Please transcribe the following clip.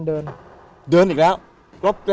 ผมก็ไม่เคยเห็นว่าคุณจะมาทำอะไรให้คุณหรือเปล่า